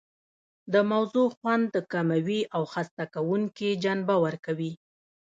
د موضوع خوند کموي او خسته کوونکې جنبه ورکوي.